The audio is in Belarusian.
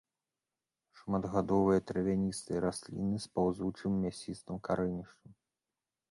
Шматгадовыя травяністыя расліны з паўзучым, мясістым карэнішчам.